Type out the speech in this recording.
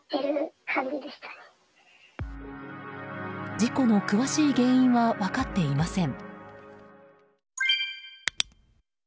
事故の詳しい原因は分かっていません。